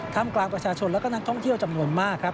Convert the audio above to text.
ทำกลางประชาชนและก็นักท่องเที่ยวจำนวนมากครับ